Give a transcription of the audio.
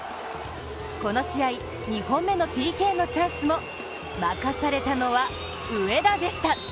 この試合２本目のＰＫのチャンスも任されたのは、上田でした。